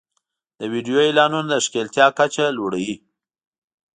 د ویډیو اعلانونه د ښکېلتیا کچه لوړوي.